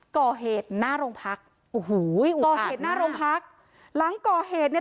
ก่อเหตุหน้าโรงพักโอ้โหก่อเหตุหน้าโรงพักหลังก่อเหตุเนี่ย